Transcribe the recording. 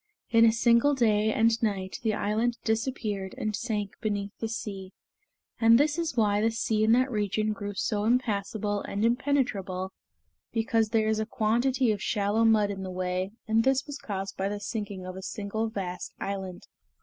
In a single day and night the island disappeared and sank beneath the sea; and this is why the sea in that region grew so impassable and impenetrable, because there is a quantity of shallow mud in the way, and this was caused by the sinking of a single vast island."